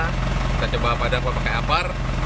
kita coba padang pakai apar